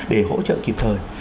để hỗ trợ kịp thời